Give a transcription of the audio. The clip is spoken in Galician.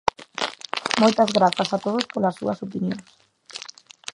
Moitas grazas a todos polas súas opinións.